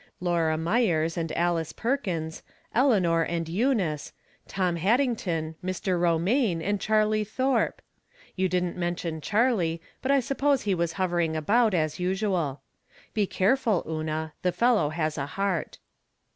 Laura Myers and Alice Perkins, Eleanor and Eunice, Tom Haddington, Mr. Ro maine and Charlie Thorpe ! You didn't mention Charlie, but I suppose he was hovering about, as usual. Be careful, Una ; the fellow has a heart.